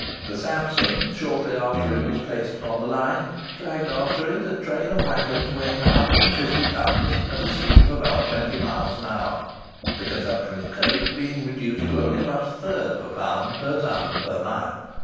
The "Samson," shortly after it was placed upon the line, dragged after it a train of waggons weighing 150 tons at a speed of about 20 miles an hour; the consumption of coke being reduced to only about a third of a pound per ton per mile.